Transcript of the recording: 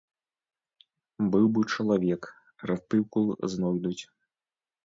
Быў бы чалавек, артыкул знойдуць.